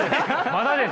まだです。